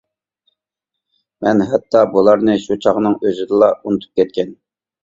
مەن ھەتتا بۇلارنى شۇ چاغنىڭ ئۆزىدىلا ئۇنتۇپ كەتكەن.